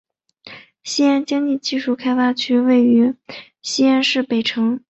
西安经济技术开发区位于西安市北城。